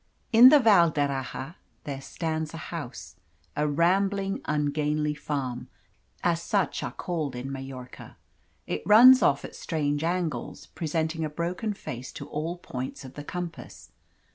In the Val d'Erraha there stands a house a rambling, ungainly Farm, as such are called in Majorca. It runs off at strange angles, presenting a broken face to all points of the compass.